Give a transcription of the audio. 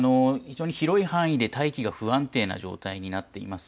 広い範囲で大気が不安定な状態になっています。